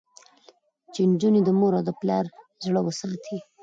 چې نجونې د مور او پلار زړه وساتي.